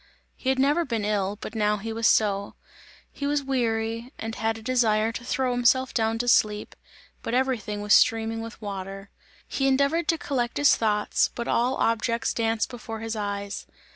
He had never been ill, but now he was so; he was weary and had a desire to throw himself down to sleep, but everything was streaming with water. He endeavoured to collect his ideas, but all objects danced before his eyes.